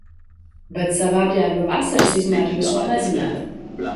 Bet sava apģērba vasaras izmēru jūs vēl nezināt